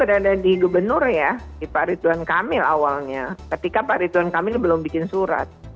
saya berada di gubernur ya di pak ridwan kamil awalnya ketika pak ridwan kamil belum bikin surat